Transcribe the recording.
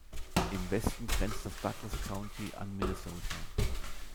Im Westen grenzt das Douglas County an Minnesota.